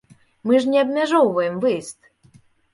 Мы ж не абмяжоўваем выезд!